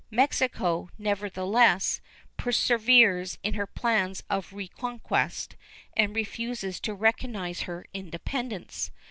Mexico, nevertheless, perseveres in her plans of reconquest, and refuses to recognize her independence.